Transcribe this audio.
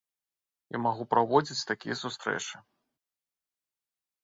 І магу праводзіць такія сустрэчы.